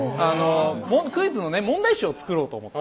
クイズの問題集を作ろうと思って。